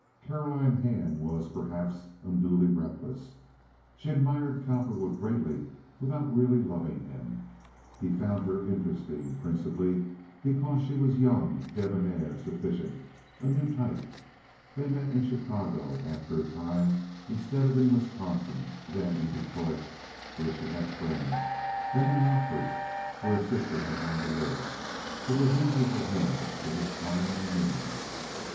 Caroline Hand was, perhaps, unduly reckless. She admired Cowperwood greatly without really loving him. He found her interesting, principally because she was young, debonair, sufficient—a new type. They met in Chicago after a time instead of in Wisconsin, then in Detroit (where she had friends), then in Rockford, where a sister had gone to live. It was easy for him with his time and means.